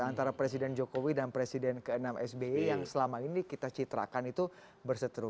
antara presiden jokowi dan presiden ke enam sby yang selama ini kita citrakan itu berseteru